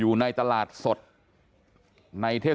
สวัสดีครับคุณผู้ชาย